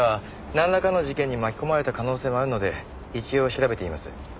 なんらかの事件に巻き込まれた可能性もあるので一応調べています。